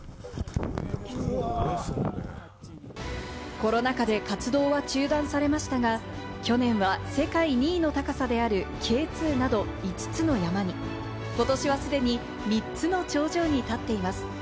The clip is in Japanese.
コロナ禍で活動は中断されましたが、去年は世界２位の高さであるＫ２など、５つの山にことしは既に３つの頂上に立っています。